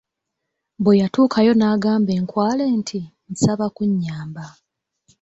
Bwe yatuukayo n'agamba enkwale nti; nsaba kunyamba.